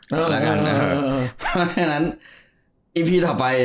เพราะฉะนั้นอีพีต่อไป